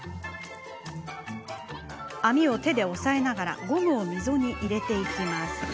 網を手で押さえながらゴムを溝に入れていきます。